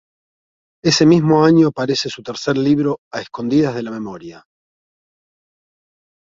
Ese mismo año aparece su tercer libro A escondidas de la memoria.